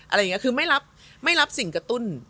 อะไรอย่างนี้คือไม่รับสิ่งกระตุ้น